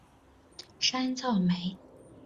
山噪鹛。